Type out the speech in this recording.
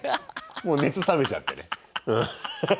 もう熱冷めちゃってね。